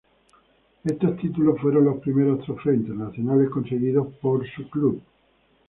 Esos títulos fueron los primeros trofeos internacionales conseguidos por su club.